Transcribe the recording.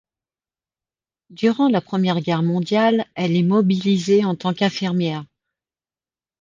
Durant la Première Guerre mondiale, elle est mobilisée en tant qu'infirmière.